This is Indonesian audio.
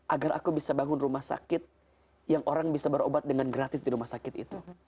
agar aku bisa bangun rumah sakit yang orang bisa berobat dengan gratis di rumah sakit itu